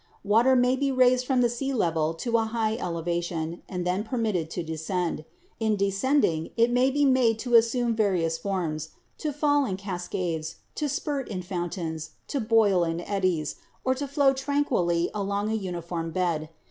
Water may be raised from the sea level to a high elevation, and then permitted to descend. In descending it may be made to assume various forms — to fall in cascades, to spurt in fountains, to boil in eddies, or to flow tranquilly along a uniform bed.